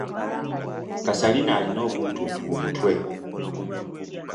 Kasalina alina oguntuntu mu mutwe.